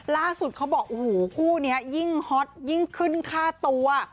เขาบอกโอ้โหคู่นี้ยิ่งฮอตยิ่งขึ้นค่าตัว